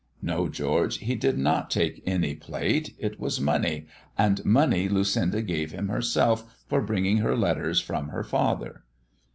"No, George, he did not take any plate. It was money, and money Lucinda gave him herself for bringing her letters from her father."